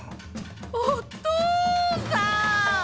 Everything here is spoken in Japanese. おとさん！